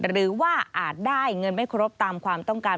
อาจได้เงินไม่ครบตามความต้องการ